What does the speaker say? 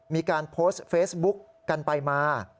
มีการโพสต์เฟซบุ๊กกันไปมา